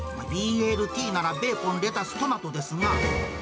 ＢＬＴならベーコン、レタス、トマトですが。